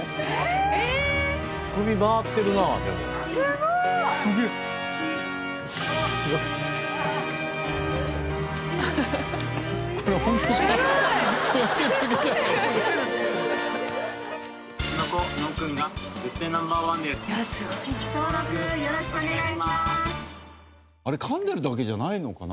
すごい！あれ噛んでるだけじゃないのかな？